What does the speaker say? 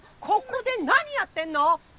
ここで何やってんの！？